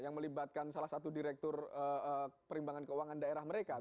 yang melibatkan salah satu direktur perimbangan keuangan daerah mereka